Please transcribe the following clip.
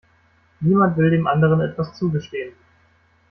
Niemand will dem anderen etwas zugestehen.